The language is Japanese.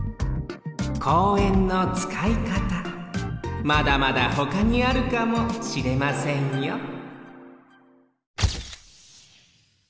公園のつかいかたまだまだほかにあるかもしれませんよ